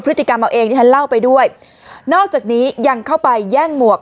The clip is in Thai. พฤติกรรมเอาเองที่ฉันเล่าไปด้วยนอกจากนี้ยังเข้าไปแย่งหมวก